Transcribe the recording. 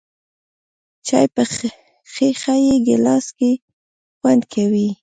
چای په ښیښه یې ګیلاس کې خوند کوي .